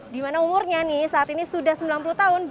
di mana umurnya saat ini sudah sembilan puluh tahun